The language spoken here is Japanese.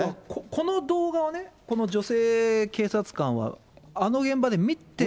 この動画をね、この女性警察官はあの現場で見て。